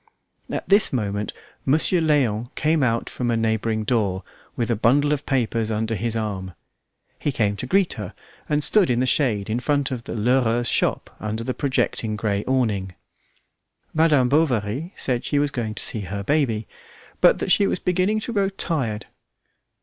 At this moment Monsieur Léon came out from a neighbouring door with a bundle of papers under his arm. He came to greet her, and stood in the shade in front of the Lheureux's shop under the projecting grey awning. Madame Bovary said she was going to see her baby, but that she was beginning to grow tired.